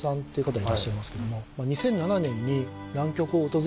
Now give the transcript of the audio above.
はい。